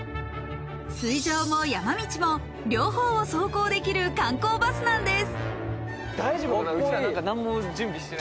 水上も山道も、両方を走行できる観光バスなんです。